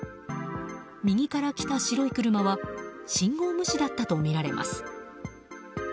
右から来た白い車は信号無視だったとみられます。